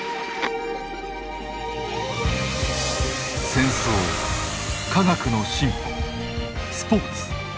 戦争科学の進歩スポーツ。